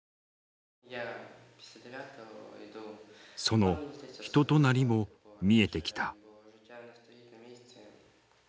その人となりも見えてきた。